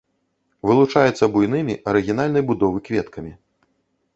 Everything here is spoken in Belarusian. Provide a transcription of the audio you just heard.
Вылучаецца буйнымі арыгінальнай будовы кветкамі.